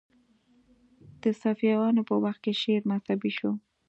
د صفویانو په وخت کې شعر مذهبي شو